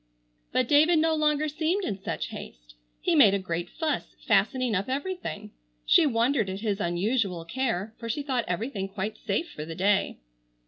But David no longer seemed in such haste. He made a great fuss fastening up everything. She wondered at his unusual care, for she thought everything quite safe for the day.